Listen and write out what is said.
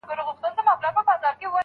ټول به دي هېر وي او ما به غواړې